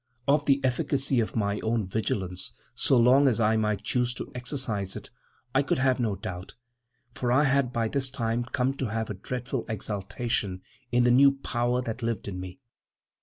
Of the efficacy of my own vigilance, so long as I might choose to exercise it, I could have no doubt, for I had by this time come to have a dreadful exultation in the new power that lived in me.